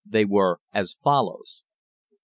They were as follows: 1.